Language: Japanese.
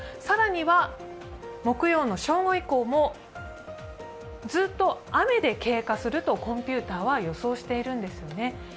更には木曜の正午以降もずっと雨で経過するとコンピューターは予想しているんですよね。